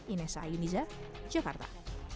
ines ayuniza jakarta